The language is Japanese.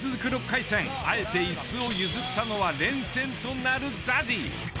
６回戦あえてイスを譲ったのは連戦となるＺＡＺＹ。